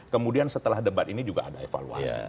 kemudian setelah debat ini juga ada evaluasi